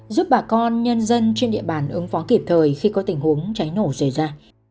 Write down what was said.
giúp bà con nhân dân trên địa bàn ứng phó kịp thời khi có tình huống cháy nổ xảy ra